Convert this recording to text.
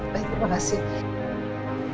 baik terima kasih